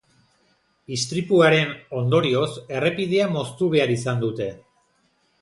Istripuaren ondorioz, errepidea moztu behar izan dute.